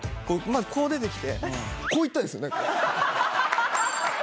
まずこう出てきてこういったんですよ。